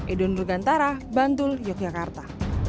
edun rugantara bantul yogyakarta